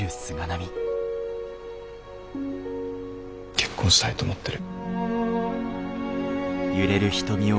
結婚したいと思ってる。